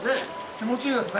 気持ちいいですね。